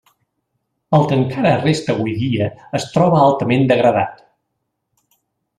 El que encara resta hui dia es troba altament degradat.